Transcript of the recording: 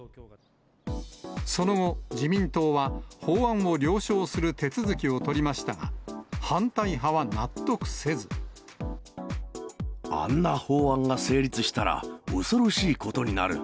その後、自民党は、法案を了承する手続きを取りましたが、反対派あんな法案が成立したら、恐ろしいことになる。